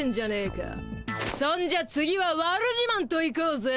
そんじゃ次はわる自まんといこうぜ。